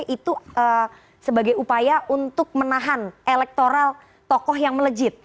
itu sebagai upaya untuk menahan elektoral tokoh yang melejit